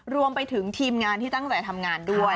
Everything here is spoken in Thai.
รวมไปถึงทีมงานที่ตั้งใจทำงานด้วย